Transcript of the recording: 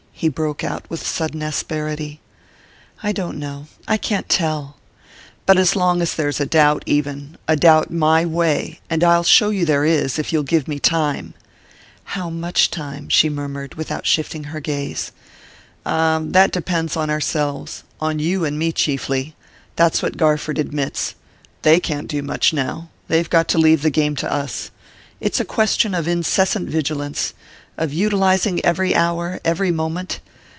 he broke out with sudden asperity. "I don't know...I can't tell...." "But as long as there's a doubt, even a doubt my way and I'll show you there is, if you'll give me time " "How much time?" she murmured, without shifting her gaze. "Ah that depends on ourselves: on you and me chiefly. That's what Garford admits. They can't do much now they've got to leave the game to us. It's a question of incessant vigilance...of utilizing every hour, every moment....